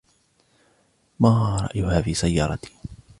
ما رأيها في سيارتي ؟